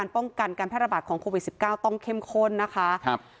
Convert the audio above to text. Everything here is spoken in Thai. ป้องกันการแพร่ระบาดของโควิด๑๙ต้องเข้มข้นนะคะครับ